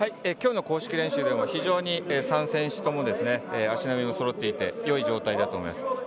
きょうの公式練習でも非常に３選手とも足並みがそろっていてよい状態だと思います。